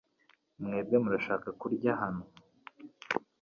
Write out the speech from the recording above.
Mwebwe murashaka kurya hano?